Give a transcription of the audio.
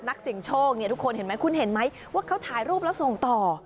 นักเสียงโชคเนี่ยทุกคนเห็นไหมคุณเห็นไหมว่าเขาถ่ายรูปแล้วส่งต่อ